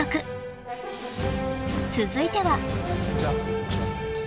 ［続いては］